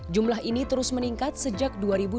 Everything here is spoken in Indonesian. jumlah ini terus meningkat sejak dua ribu dua puluh